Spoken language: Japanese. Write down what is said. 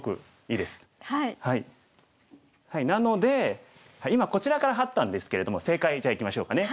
なので今こちらからハッたんですけれども正解じゃあいきましょうかね。